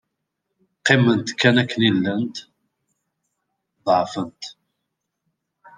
Qqiment kan akken i llant, ḍeɛfent.